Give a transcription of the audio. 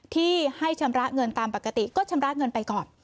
ที่ให้ชำระเงินตามปกติก็ชำระเงินไปก่อน